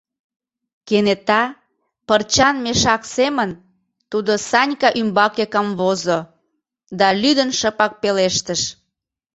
Кенета, пырчан мешак семын, тудо Санька ӱмбаке камвозо да лӱдын шыпак пелештыш: